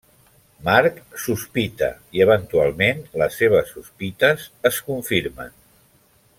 Marc sospita, i eventualment les seves sospites es confirmen.